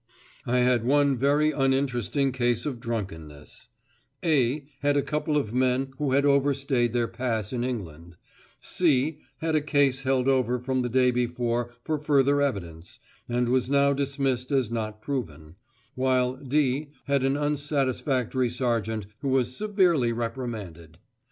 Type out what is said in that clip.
I had one very uninteresting case of drunkenness; "A" had a couple of men who had overstayed their pass in England; "C" had a case held over from the day before for further evidence, and was now dismissed as not proven; while "D" had an unsatisfactory sergeant who was "severely reprimanded."